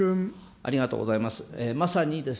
ありがとうございます。